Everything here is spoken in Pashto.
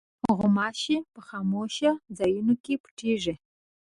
غوماشې په خاموشو ځایونو کې پټېږي.